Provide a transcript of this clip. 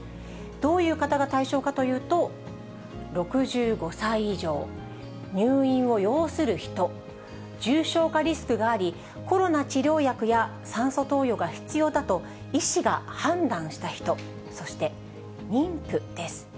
どういう方が対象かというと、６５歳以上、入院を要する人、重症化リスクがあり、コロナ治療薬や、酸素投与が必要だと医師が判断した人、そして、妊婦です。